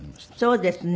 そうですね。